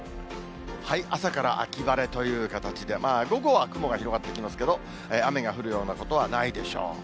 朝から秋晴れという形で、まあ午後は雲が広がってきますけど、雨が降るようなことはないでしょう。